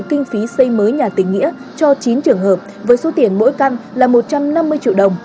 kinh phí xây mới nhà tình nghĩa cho chín trường hợp với số tiền mỗi căn là một trăm năm mươi triệu đồng